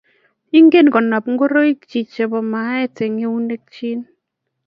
Ingen konab ngoroik chebo meet eng eunekchi